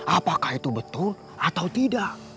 apakah itu betul atau tidak